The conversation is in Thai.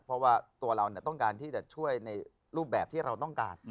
เพราะว่าตัวเราต้องการที่จะช่วยในรูปแบบที่เราต้องการ